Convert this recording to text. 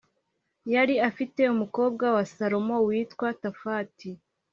yari afite umukobwa wa Salomo witwa Tafati